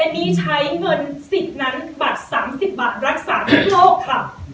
เอ็มมี่ใช้เงินสิทธิ์นั้นบัตรสามสิบบาทรักษาทั้งโลกค่ะ